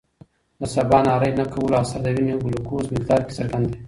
د سباناري نه کولو اثر د وینې ګلوکوز مقدار کې څرګند دی.